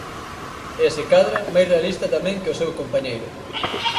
E, se cadra, máis realista tamén que o seu compañeiro.